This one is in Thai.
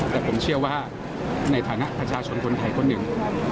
แต่ผมเชื่อว่าในฐานะประชาชนคนไทยคนหนึ่ง